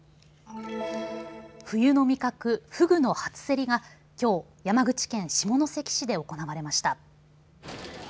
冬の味覚、フグの初競りがきょう、山口県下関市で行われました。